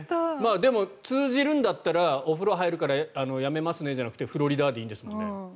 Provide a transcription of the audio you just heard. でも通じるんだったらお風呂入るからやめますねじゃなくて「フロリダ」でいいんですね。